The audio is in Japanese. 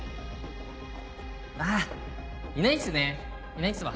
あぁいないっすねいないっすわ。